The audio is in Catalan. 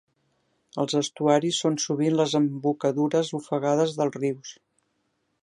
Els estuaris són sovint les embocadures ofegades dels rius.